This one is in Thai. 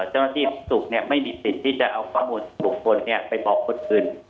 เจ้าหน้าที่ศูนย์เนี้ยไม่มีสิทธิ์ที่จะเอาข้อมูลส่วนบุคคลเนี้ยไปบอกคนอื่น